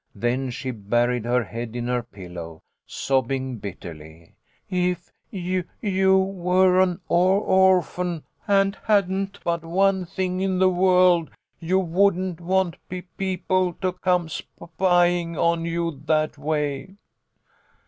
Then she buried her head in her pillow, sobbing bit terly :" If y you were an or orphan and hadn't but one thing in the world, you wouldn't want p people to come sp spying on you, that way."